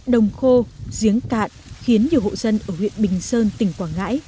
đồng khô giếng cạn khiến nhiều hộ dân ở huyện bình sơn tỉnh quảng ngãi